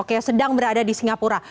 oke sedang berada di singapura